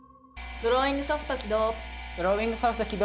ドローイングソフト起動。